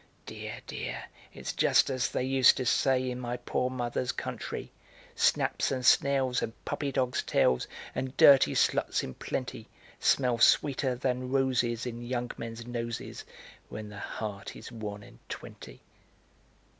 Dear, dear, it's just as they used to say in my poor mother's country: Snaps and snails and puppy dogs' tails, And dirty sluts in plenty, Smell sweeter than roses in young men's noses When the heart is one and twenty."